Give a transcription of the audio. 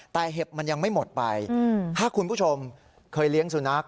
แต่เห็บมันยังไม่หมดไปถ้าคุณผู้ชมเคยเลี้ยงสุนัข